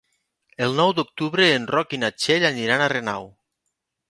El nou d'octubre en Roc i na Txell aniran a Renau.